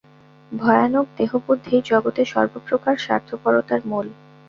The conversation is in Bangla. ভয়ানক দেহবুদ্ধিই জগতে সর্বপ্রকার স্বার্থপরতার মূল।